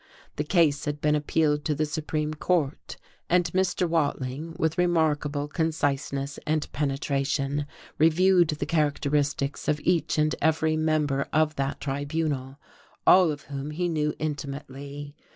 The case had been appealed to the Supreme Court, and Mr. Wading, with remarkable conciseness and penetration, reviewed the characteristics of each and every member of that tribunal, all of whom he knew intimately.